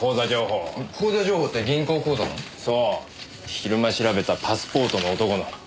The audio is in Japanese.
昼間調べたパスポートの男の。